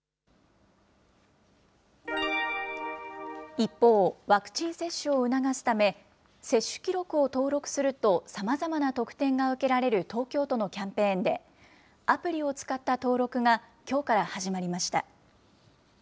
一方、ワクチン接種を促すため、接種記録を登録するとさまざまな特典が受けられる東京都のキャンペーンで、アプリを使った登録がきょうから始まりました。